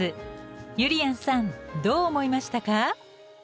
ゆりやんさんどう思いましたか？